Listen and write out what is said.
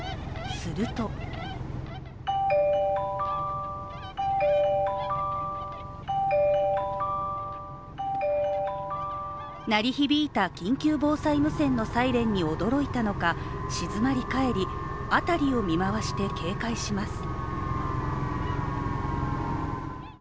すると鳴り響いた緊急防災無線のサイレンに驚いたのか、静まりかえり、辺りを見回して警戒します。